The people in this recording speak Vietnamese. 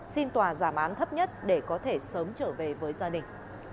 xin tòa giảm án thấp nhất để có thể sớm trở về với gia đình